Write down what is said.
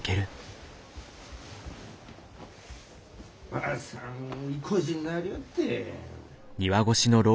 ・・・ばあさんいこじになりおって！